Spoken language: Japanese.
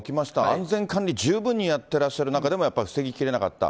安全管理、十分にやってらっしゃる中でも、やっぱり防ぎきれなかった。